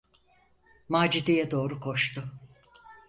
Macide’ye doğru koştu.